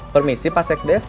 permisi pak saekdes